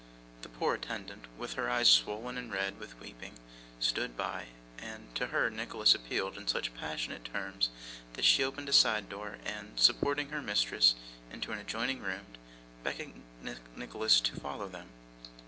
The poor attendant, with her eyes swollen and red with weeping, stood by; and to her Nicholas appealed in such passionate terms that she opened a side door, and, supporting her mistress into an adjoining room, beckoned Nicholas to follow them.